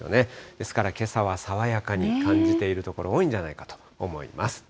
ですからけさは爽やかに感じている所、多いんじゃないかと思います。